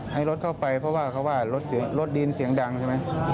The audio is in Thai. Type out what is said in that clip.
ให้รถเข้าไปเพราะว่าเขาว่ารถดินเสียงดังใช่ไหม